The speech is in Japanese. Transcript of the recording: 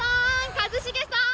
一茂さーん！